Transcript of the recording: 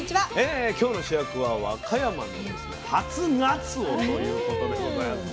今日の主役は和歌山の初がつおということでございますね。